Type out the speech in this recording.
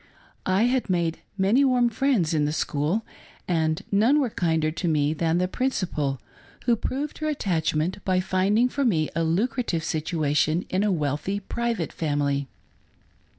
I had made many warm friends in the school, and none were kinder to me than the principal, who proved her attach ment by finding*for me a lucrative situation in a wealthy private family.